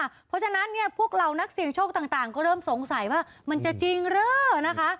เพราะฉะนั้นเนี่ยพวกเหล่านักเสี่ยงโชคต่างก็เริ่มสงสัยว่ามันจะจริงหรือนะคะ